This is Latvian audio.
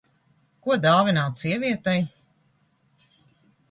Ko dāvināt sievietei?